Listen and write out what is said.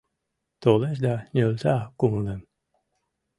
Толеш да нӧлта кумылем.